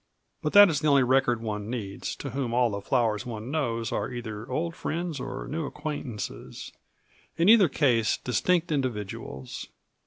But that is the only record one needs to whom all the flowers one knows are either old friends or new acquaintances in either case distinct individuals.